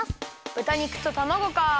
ぶた肉とたまごか。